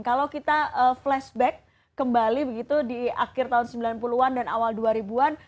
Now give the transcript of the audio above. kalau kita flashback kembali begitu di akhir tahun sembilan puluh an dan awal dua ribu an